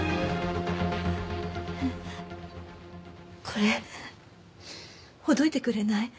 これほどいてくれない？